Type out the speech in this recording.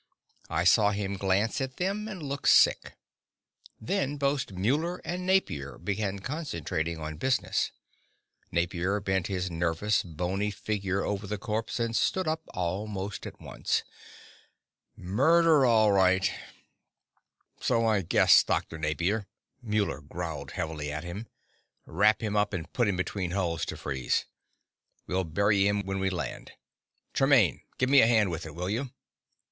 I saw him glance at them and look sick. Then both Muller and Napier began concentrating on business. Napier bent his nervous, bony figure over the corpse, and stood up almost at once. "Murder all right." "So I guessed, Dr. Napier," Muller growled heavily at him. "Wrap him up and put him between hulls to freeze. We'll bury him when we land. Tremaine, give a hand with it, will you?"